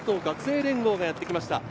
関東学生連合がやってきました。